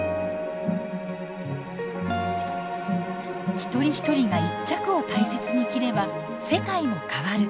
一人一人が一着を大切に着れば世界も変わる。